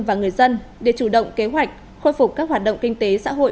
và người dân để chủ động kế hoạch khôi phục các hoạt động kinh tế xã hội